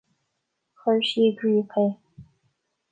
Chuir sí i gcrích é.